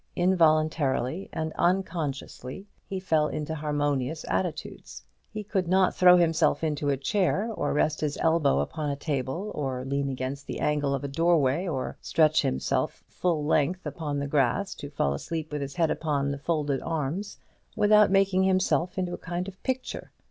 Involuntarily and unconsciously he fell into harmonious attitudes. He could not throw himself into a chair, or rest his elbow upon a table, or lean against the angle of a doorway, or stretch himself full length upon the grass to fall asleep with his head upon his folded arms, without making himself into a kind of picture.